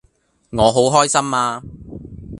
我好開心呀